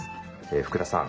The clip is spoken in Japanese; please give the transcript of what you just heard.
福田さん